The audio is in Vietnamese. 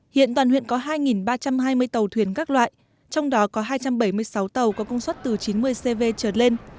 hiện toàn huyện có hai ba trăm hai mươi tàu thuyền các loại trong đó có hai trăm bảy mươi sáu tàu có công suất từ chín mươi cv trở lên